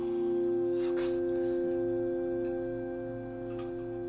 そうか。